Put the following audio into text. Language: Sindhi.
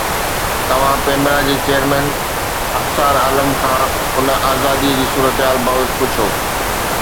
توهان پيمرا جي چيئرمين ابصار عالم کان ان آزادي جي صورتحال بابت پڇو